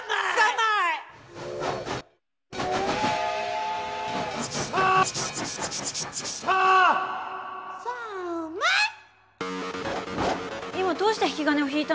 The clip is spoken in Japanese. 今どうして引き金を引いたんですか？